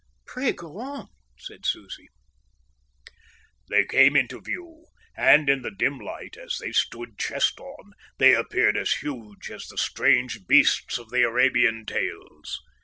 "Pray go on," said Susie. "They came into full view, and in the dim light, as they stood chest on, they appeared as huge as the strange beasts of the Arabian tales.